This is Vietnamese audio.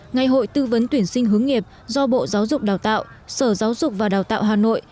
ngày hội tư vấn tuyển sinh hướng nghiệp do bộ giáo dục đào tạo sở giáo dục và đào tạo hà nội